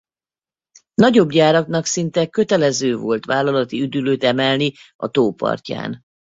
Nagyobb gyáraknak szinte kötelező volt vállalati üdülőt emelni a tó partján.